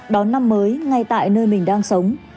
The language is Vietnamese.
đón năm mới ngay tại nơi mình đang sống